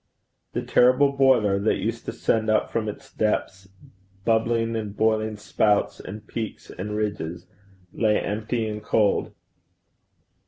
The terrible boiler that used to send up from its depths bubbling and boiling spouts and peaks and ridges, lay empty and cold.